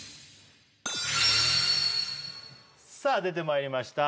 さあ出てまいりました